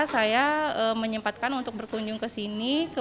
saya menyempatkan untuk berkunjung ke sini